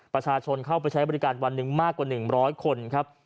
ประชาชนเข้าไปใช้บริการวันหนึ่งมากกว่า๑๐๐คนครับ